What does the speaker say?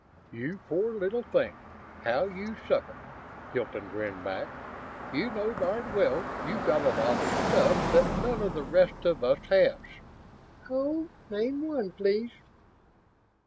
"You poor little thing. How you suffer!" Hilton grinned back. "You know darn well you've got a lot of stuff that none of the rest of us has." "Oh? Name one, please."